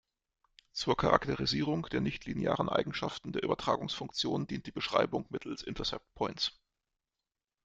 Zur Charakterisierung der nichtlinearen Eigenschaften der Übertragungsfunktion dient die Beschreibung mittels Intercept Points.